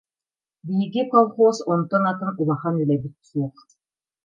Биһиги колхоз онтон атын улахан үлэбит суох.